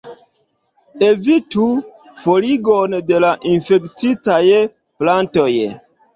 Evitu: forigon de la infektitaj plantoj.